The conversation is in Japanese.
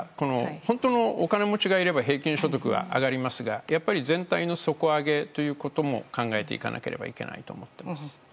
本当のお金持ちがいれば平均所得は上がりますが全体の底上げということも考えていかなければいけないと思っております。